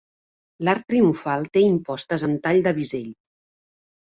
L'arc triomfal té impostes en tall de bisell.